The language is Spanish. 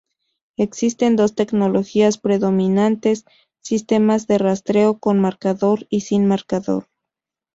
Existen dos tecnologías predominantes: sistemas de rastreo con marcador y sin marcador.